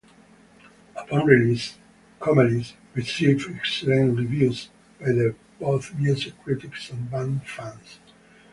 Upon release, "Comalies" received excellent reviews by both music critics and band fans.